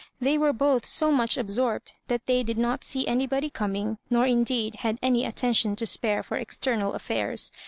They were both so much absorbed that they did not see anybody coming, nor indeed had any attention to spare for external affairs.